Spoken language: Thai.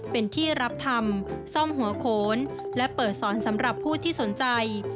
เป็นที่รับทำซ่อมหัวโขนและเปิดสอนสำหรับผู้ที่สนใจ